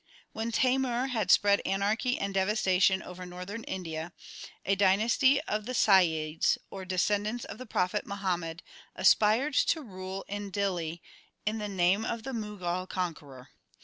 When Taimur had spread anarchy and devastation over Northern India, a dynasty of Saiyids, or descendants of the Prophet Muhammad, aspired to rule in Dihli in the name of the Mughal conqueror.